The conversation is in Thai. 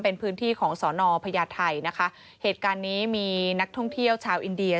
เป็นพื้นที่ของสอนอพญาไทยนะคะเหตุการณ์นี้มีนักท่องเที่ยวชาวอินเดีย